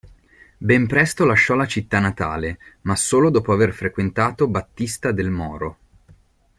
Ben presto lasciò la città natale, ma solo dopo aver frequentato Battista Del Moro.